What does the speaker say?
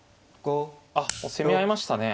あっ攻め合いましたね。